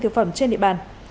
thực phẩm trên địa bàn